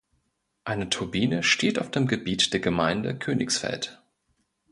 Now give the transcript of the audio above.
Eine Turbine steht auf dem Gebiet der Gemeinde Königsfeld.